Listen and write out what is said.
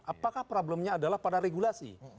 apakah problemnya adalah pada regulasi